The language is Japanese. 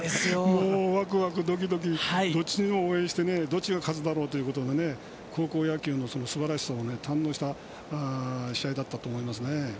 もうわくわくどきどきどっちが勝つだろうということでね、高校野球のすばらしさを堪能した試合だったと思いますね。